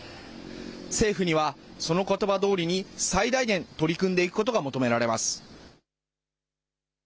政府にはそのことばどおりに最大限取り組んでいくことが求められます。